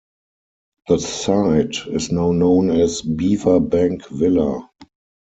The site is now known as Beaver Bank Villa.